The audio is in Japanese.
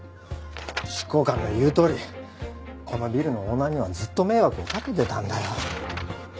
執行官の言うとおりこのビルのオーナーにはずっと迷惑をかけてたんだよ。